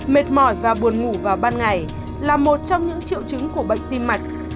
mệt mỏi và buồn ngủ vào ban ngày là một trong những triệu chứng của bệnh tim mạch